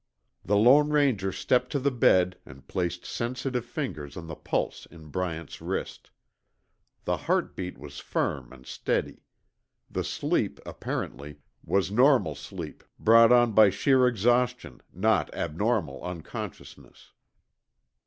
The Lone Ranger stepped to the bed and placed sensitive fingers on the pulse in Bryant's wrist. The heartbeat was firm and steady. The sleep, apparently, was normal sleep brought on by sheer exhaustion, not abnormal unconsciousness.